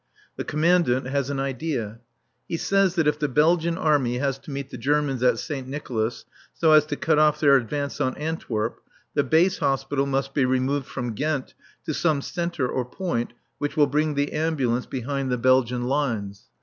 The Commandant has an idea. He says that if the Belgian Army has to meet the Germans at Saint Nicolas, so as to cut off their advance on Antwerp, the base hospital must be removed from Ghent to some centre or point which will bring the Ambulance behind the Belgian lines.